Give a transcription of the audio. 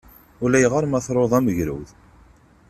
Ulayɣer ma truḍ am ugrud.